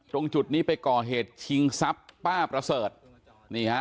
ตรงจุดนี้ไปก่อเหตุชิงทรัพย์ป้าประเสริฐนี่ฮะ